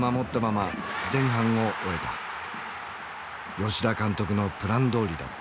吉田監督のプランどおりだった。